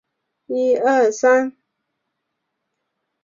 青灰海蛇为眼镜蛇科海蛇属的爬行动物。